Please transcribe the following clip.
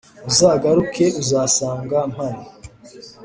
Uzagaruke uzasanga mpari